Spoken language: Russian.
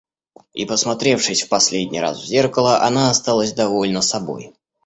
И, посмотревшись в последний раз в зеркало, она осталась довольна собой.